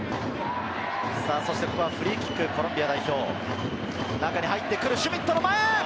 フリーキック、コロンビア代表、中に入ってくる、シュミットの前。